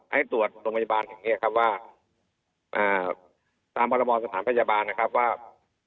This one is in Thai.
ให้ตรวจโรงพยาบาลอย่างนี้ตามปรบสถานพยาบาล